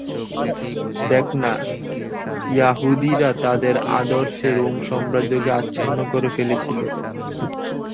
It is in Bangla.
দেখ না, য়াহুদীরা তাদের আদর্শে রোম সাম্রাজ্যকে আচ্ছন্ন করে ফেলেছিল।